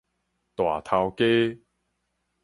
大頭家